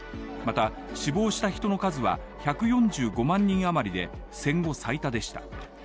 また、死亡した人の数は１４５万人余りで戦後最多でした。